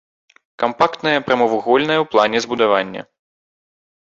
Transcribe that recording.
Кампактнае прамавугольнае ў плане збудаванне.